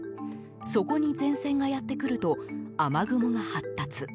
そこに前線がやってくると雨雲が発達。